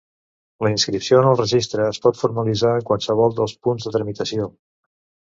La inscripció en el Registre es pot formalitzar en qualsevol dels punts de tramitació.